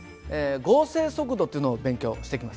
合成速度というのを勉強してきましたね。